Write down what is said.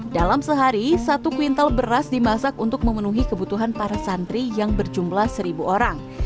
dalam sehari satu kuintal beras dimasak untuk memenuhi kebutuhan para santri yang berjumlah seribu orang